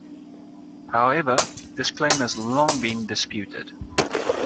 However, this claim has long been disputed.